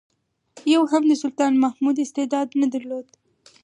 یو یې هم د سلطان محمود استعداد نه درلود.